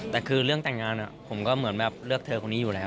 แต่คือเรื่องแต่งงานผมก็เหมือนแบบเลือกเธอคนนี้อยู่แล้ว